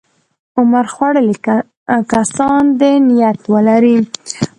عمر خوړلي کسان دې نیت ولري.